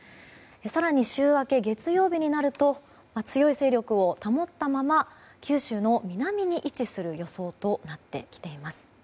更に週明け、月曜日になると強い勢力を保ったまま九州の南に位置する予想となってきています。